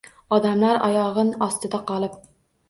Odamlar oyog’in ostida qolib